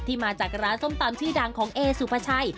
มาจากร้านส้มตำชื่อดังของเอสุภาชัย